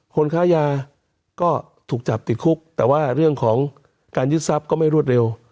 คนค้ายาก็ถูกจับติดคุกแต่ว่าเรื่องของการยึดทรัพย์ก็ไม่รวดเร็ว